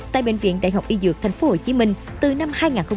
tại bệnh viện đại học y dược tp hcm từ năm hai nghìn một mươi